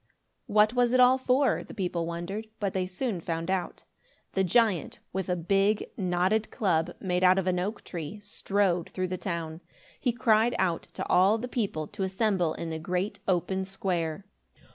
What was it all for? The people wondered, but they soon found out. The giant, with a big knotted club, made out of an oak tree, strode through the town. He cried out to all the people to assemble in the great open square.